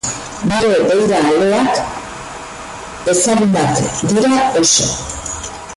Bere beira-aleak ezagunak dira oso.